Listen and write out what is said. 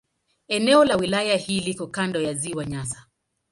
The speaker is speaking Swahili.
Eneo la wilaya hii liko kando la Ziwa Nyasa.